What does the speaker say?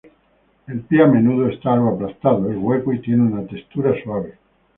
El pie a menudo está algo aplastado, es hueco y tiene una textura suave.